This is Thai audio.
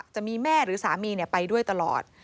จะมีแม่หรือสามีไปด้วยตลอด